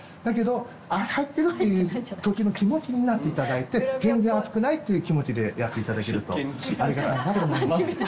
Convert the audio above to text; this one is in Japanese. だけど入ってるっていうときの気持ちになっていただいて全然熱くないっていう気持ちでやっていただけると。